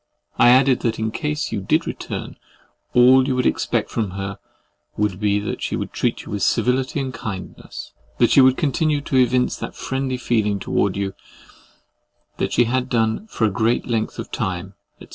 I added that, in case you did return, all you would expect from her would be that she would treat you with civility and kindness—that she would continue to evince that friendly feeling towards you, that she had done for a great length of time, &c.